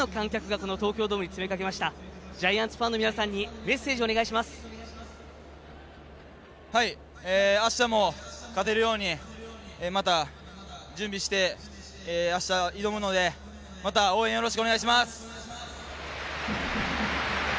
あしたも勝てるように準備してあした挑むのでまた応援よろしくお願いします！